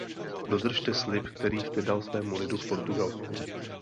Dodržte slib, který jste dal svému lidu v Portugalsku.